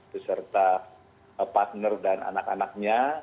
beserta partner dan anak anaknya